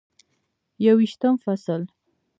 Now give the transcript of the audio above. یوویشتم فصل: